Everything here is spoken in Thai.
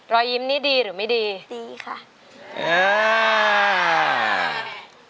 รอยยิ้มนี่ดีหรือไม่ดีดีค่ะอ่า